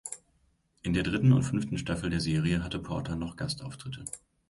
In der dritten und fünften Staffel der Serie hatte Porter noch Gastauftritte.